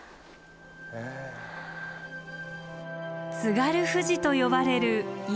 津軽富士と呼ばれる岩木山。